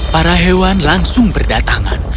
para hewan langsung berdatangan